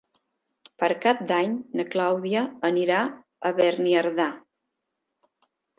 Per Cap d'Any na Clàudia anirà a Beniardà.